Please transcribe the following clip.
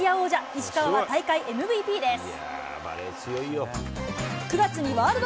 石川は大会ＭＶＰです。